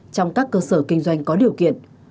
trong các cơ sở kinh doanh có điều kiện